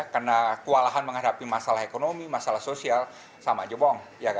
karena kualahan menghadapi masalah ekonomi masalah sosial sama aja bohong